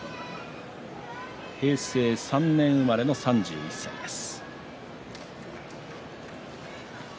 平成３年生まれの３１歳です。